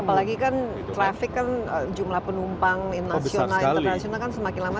apalagi kan traffic kan jumlah penumpang internasional kan semakin lama